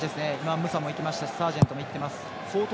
ムサもいきましたしサージェントもいってます。